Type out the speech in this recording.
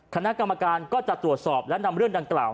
คณะกรรมการก็จะตรวจสอบและนำเรื่องดังกล่าว